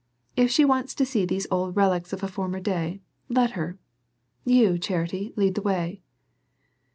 If she wants to see these old relics of a former day, let her. You, Charity, lead the way."